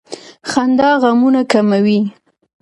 • خندا غمونه کموي.